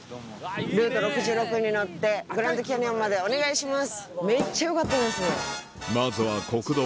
ルート６６に乗ってグランドキャニオンまでお願いします。